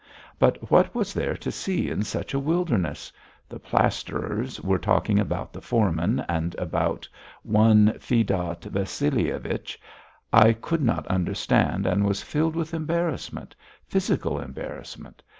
But what was there to see in such a wilderness? The plasterers were talking about the foreman and about one Fedot Vassilievich. I could not understand and was filled with embarrassment physical embarrassment.